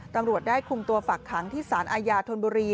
ตำรวจได้คุมตัวฝักขังที่สารอาญาธนบุรี